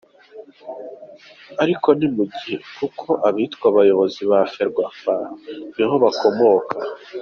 ariko nimugihe kuko abitwa abayobozi ba ferwafa niho bakomoka.